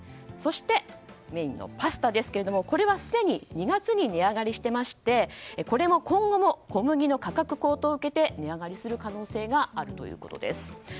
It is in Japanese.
そしてメインのパスタですけれどもこれはすでに２月に値上がりしていましてこれは今後も小麦の価格高騰を受けて値上がりする可能性があるということです。